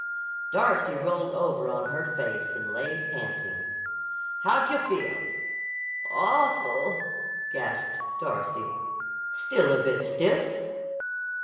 Darcy rolled over on her face and lay panting. "How d' yah feel?" "Awful!" gasped Darcy. "Still a bit stiff?"